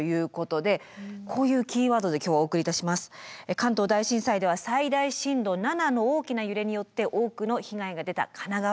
関東大震災では最大震度７の大きな揺れによって多くの被害が出た神奈川県。